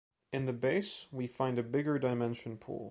In the base, we find a bigger dimension pool.